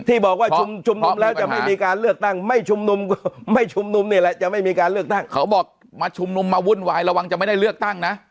ที่บอกว่าชุมนุมแล้วจะไม่มีการเลือกตั้งไม่ชุมนุมก็ไม่ชุมนุมนี่แหละจะไม่มีการเลือกตั้งเขาบอกมาชุมนุมมาวุ่นวายระวังจะไม่ได้เลือกตั้งนะ